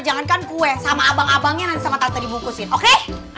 jangan kan kue sama abang abangnya nanti sama tante dibungkusin oke